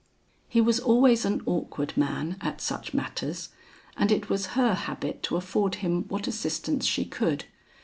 He was always an awkward man at such matters, and it was her habit to afford him what assistance she could.